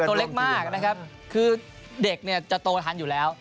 ตัวเล็กมากนะครับคือเด็กเนี่ยจะโตทันอยู่แล้ว